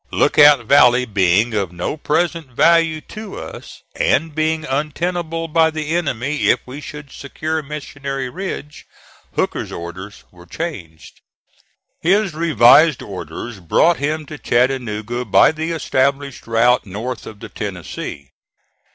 Lookout Valley being of no present value to us, and being untenable by the enemy if we should secure Missionary Ridge, Hooker's orders were changed. His revised orders brought him to Chattanooga by the established route north of the Tennessee.